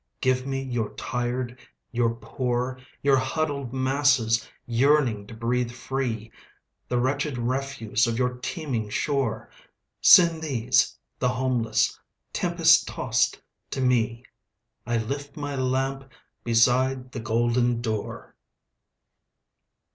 "Give me your tired, your poor, Your huddled masses yearning to breathe free, The wretched refuse of your teeming shore. Send these, the homeless, tempest tost to me,I lift my lamp beside the golden door!"